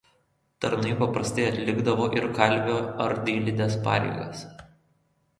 Tarnai paprastai atlikdavo ir kalvio ar dailidės pareigas.